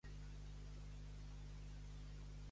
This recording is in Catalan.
Pam i pipa.